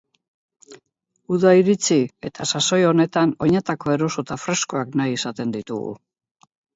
Uda iritsi eta sasoi honetan oinetako eroso eta freskoak nahi izaten ditugu.